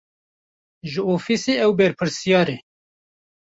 Ji ofîsê ew berpirsiyar e.